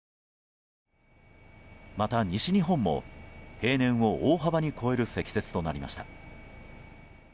また西日本も平年を大幅に超える積雪となりました。